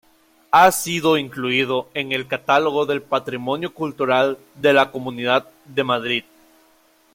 Ha sido incluido en el catálogo del patrimonio cultural de la Comunidad de Madrid.